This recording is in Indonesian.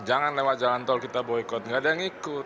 jangan lewat jalan tol kita boykot nggak ada yang ikut